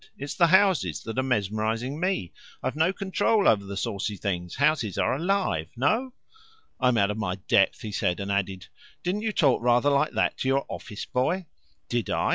It's the houses that are mesmerizing me. I've no control over the saucy things. Houses are alive. No?" "I'm out of my depth," he said, and added: "Didn't you talk rather like that to your office boy?" "Did I?